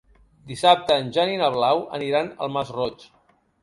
Dissabte en Jan i na Blau aniran al Masroig.